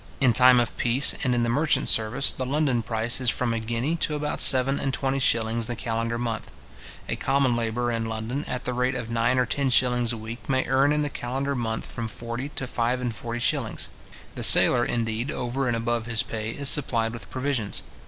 In time of peace, and in the merchant service, the London price is from a guinea to about seven and twenty shillings the calendar month. A common labourer in London, at the rate of nine or ten shillings a week, may earn in the calendar month from forty to five and forty shillings. The sailor, indeed, over and above his pay, is supplied with provisions.